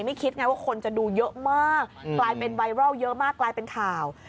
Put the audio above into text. คิดไงว่าคนจะดูเยอะมากกลายเป็นไวรัลเยอะมากกลายเป็นข่าว